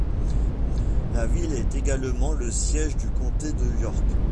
La ville est également le siège du comté de York.